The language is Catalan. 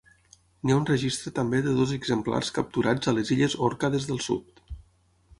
N'hi ha un registre també de dos exemplars capturats a les illes Òrcades del Sud.